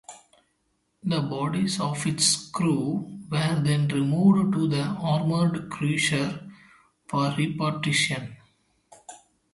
The bodies of its crew were then removed to the armored cruiser for repatriation.